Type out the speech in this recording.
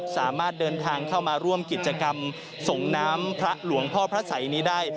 สามารถเดินทางเข้ามาร่วมกิจกรรมส่งน้ำพระหลวงพ่อพระสัยนี้ได้